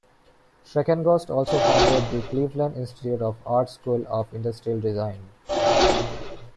Schreckengost also founded The Cleveland Institute of Art's school of industrial design.